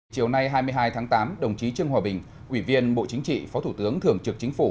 chiều nay hai mươi hai tháng tám đồng chí trương hòa bình ủy viên bộ chính trị phó thủ tướng thường trực chính phủ